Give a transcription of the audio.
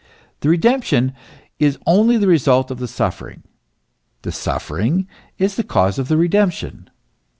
The redemption is only the result of the suffering ; the suffering is the cause of the redemption.